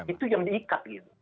itu yang diikat gitu